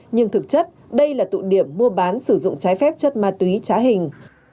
nhưng thực chất đây là tụ điểm mua bán sử dụng trái phép chất ma túy trá hình